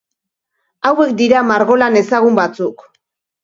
Hauek dira margolan ezagun batzuk.